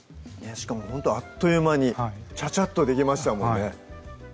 しかもほんとあっという間にチャチャっとできましたもんね